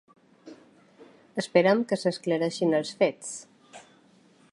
Esperem que s’esclareixin els fets.